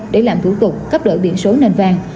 để làm thủ tục cấp đổi biển số nền vàng